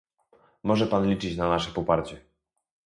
Może pan liczyć na nasze poparcie